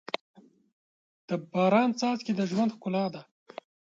د باران څاڅکي د ژوند ښکلا ده.